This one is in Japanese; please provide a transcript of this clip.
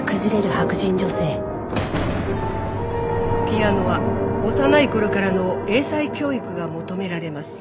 ピアノは幼い頃からの英才教育が求められます。